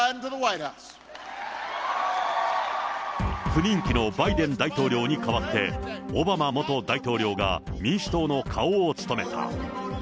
不人気のバイデン大統領に代わって、オバマ元大統領が民主党の顔を務めた。